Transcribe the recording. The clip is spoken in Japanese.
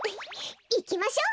いきましょう。